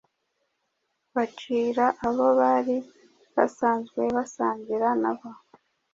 bacira abo bari basanzwe basangira na bo,